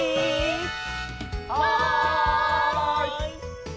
はい！